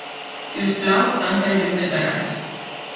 Si us plau, tanca el llum del garatge.